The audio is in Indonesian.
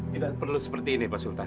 tidak perlu seperti ini pak sultan